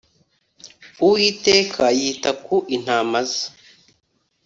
Uwiteka yita ku intama ze